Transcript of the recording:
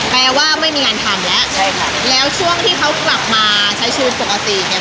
แปลว่าไม่มีงานทำแล้วใช่ครับแล้วช่วงที่เขากลับมาใช้ชีวิตปกติเนี่ย